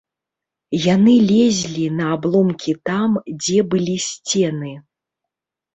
Яны лезлі на абломкі там, дзе былі сцены.